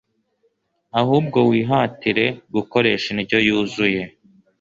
ahubwo wihatire gukoresha indyo yuzuye